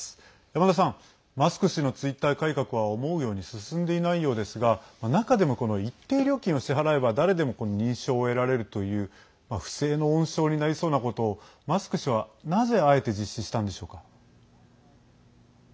山田さん、マスク氏のツイッター改革は思うように進んでいないようですが中でも、一定料金を支払えば誰でも認証を得られるという不正の温床になりそうなことをマスク氏は、なぜあえて実施したのでしょうか。